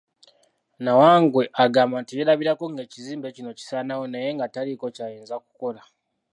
Nawangwe agamba nti yeerabirako ng'ekizimbe kino kisaanawo naye nga taliiko ky'ayinza kukola.